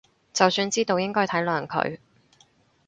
就算知道應該體諒佢